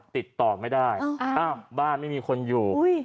ติดต่อไม่ได้อ้าวบ้านไม่มีคนอยู่